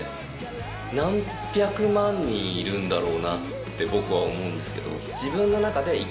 って僕は思うんですけど。